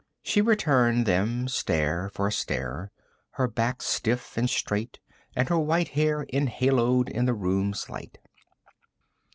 She returned them stare for stare, her back stiff and straight and her white hair enhaloed in the room's light.